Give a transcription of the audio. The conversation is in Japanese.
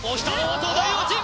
東大王チーム